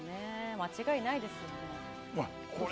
間違いないですね。